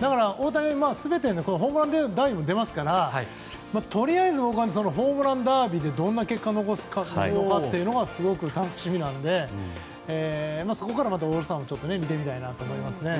だから、大谷君ホームランダービーにも出ますからとりあえずホームランダービーでどんな結果を残すのかすごく楽しみなのでそこからまたオールスターも見てみたいなと思いますね。